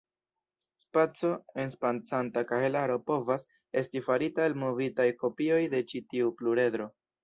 Spaco-enspacanta kahelaro povas esti farita el movitaj kopioj de ĉi tiu pluredro.